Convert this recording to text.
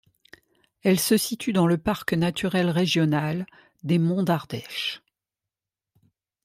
Elle se situe dans le parc naturel régional des Monts d'Ardèche.